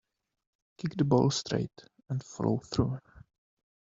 Kick the ball straight and follow through.